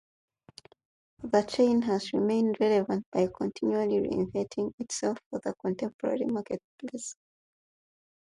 The chain has remained relevant by continually re-inventing itself for the contemporary marketplace.